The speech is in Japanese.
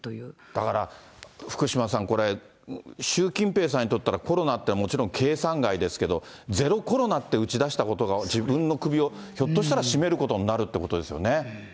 だから、福島さん、これ、習近平さんにとったら、コロナってもちろん、計算外ですけど、ゼロコロナって打ち出したことが、自分の首をひょっとしたらしめることになるっていうことですよね。